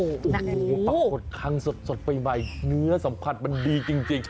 ปลากดครั้งสดไปใหม่เนื้อสำคัญมันดีจริง